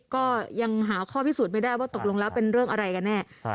ก็ยังหาข้อพิสูจน์ไม่ได้ว่าตกลงแล้วเป็นเรื่องอะไรกันแน่